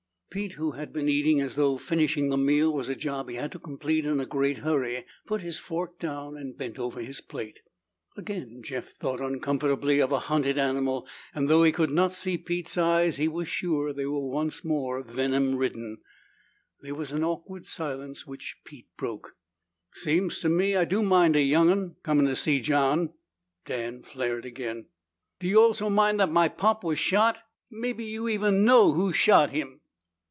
Pete, who had been eating as though finishing the meal was a job he had to complete in a great hurry, put his fork down and bent over his plate. Again Jeff thought uncomfortably of a hunted animal, and though he could not see Pete's eyes, he was sure that they were once more venom ridden. There was an awkward silence which Pete broke. "Seems to me I do mind a young'un comin' to see John." Dan flared again. "Do you also 'mind' that my pop was shot? Maybe you even know who shot him!"